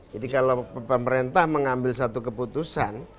jadi kalau pemerintah mengambil satu keputusan